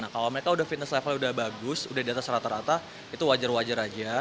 kalau mereka udah fitness levelnya udah bagus udah di atas rata rata itu wajar wajar aja